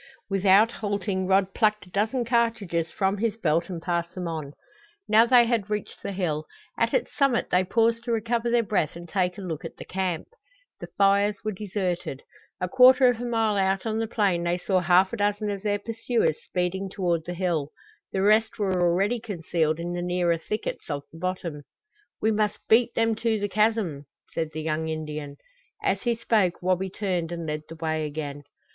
Without halting Rod plucked a dozen cartridges from his belt and passed them on. Now they had reached the hill. At its summit they paused to recover their breath and take a look at the camp. The fires were deserted. A quarter of a mile out on the plain they saw half a dozen of their pursuers speeding toward the hill. The rest were already concealed in the nearer thickets of the bottom. "We must beat them to the chasm!" said the young Indian. As he spoke Wabi turned and led the way again.